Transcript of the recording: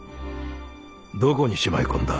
どこにしまい込んだ？